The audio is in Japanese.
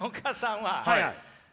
はい。